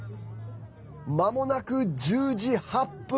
まもなく１０時８分。